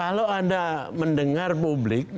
kalau anda mendengar publik